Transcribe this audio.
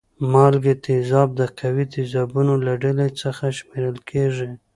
مالګې تیزاب د قوي تیزابونو له ډلې څخه شمیرل کیږي.